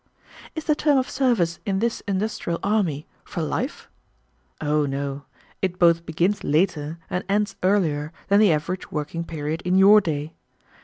"Is the term of service in this industrial army for life?" "Oh, no; it both begins later and ends earlier than the average working period in your day.